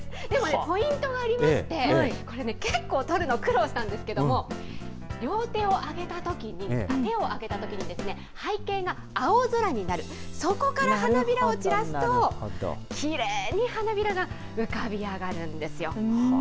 でもね、ポイントがありまして、これね、結構撮るの苦労したんですけども、両手を上げたときに、手を上げたときにですね、背景が青空になる、そこから花びらを散らすと、きれいに花びらが浮かび上がるんですよ。